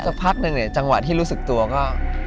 พักหนึ่งเนี่ยจังหวะที่รู้สึกตัวก็